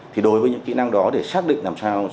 thì đối với những kỹ năng đó để xác định làm sao